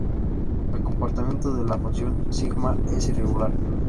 El comportamiento de la función sigma es irregular.